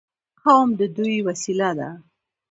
قوم د دوی وسیله ده.